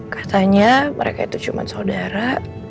katanya mereka itu cuma saudara